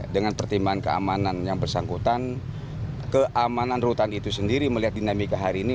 dengan pertimbangan keamanan yang bersangkutan keamanan rutan itu sendiri melihat dinamika hari ini